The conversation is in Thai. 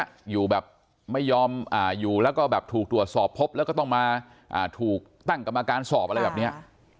อยู่แบบไม่ยอมอยู่แล้วก็แบบถูกตรวจสอบพบแล้วก็ต้องมาถูกตั้งกรรมการสอบอะไรแบบนี้